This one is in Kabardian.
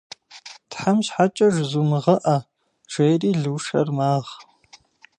Тхьэм щхьэкӏэ, жызумыгъэӏэ!- жери Лушэр магъ.